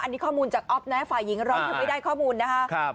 อันนี้ข้อมูลจากอ๊อฟนะฝ่ายิงเราไม่ได้ข้อมูลนะคะ